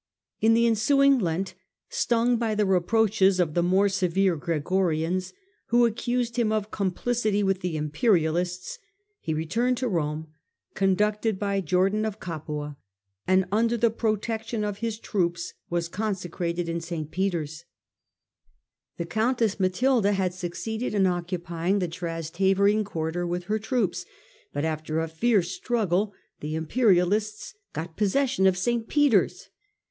In the ensuing Lent, stung by the reproaches of the more severe Gregorians, who accused him of complicity with the imperialists, he returned to Rome, conducted by Jordan of Capua, and, under the protection of his troops, was consecrated in St. Peter's, The countess Matilda had succeeded in occupying the Trasteverine quarter with her troops, but after a fierce struggle the imperialists got possession of St. Peter's.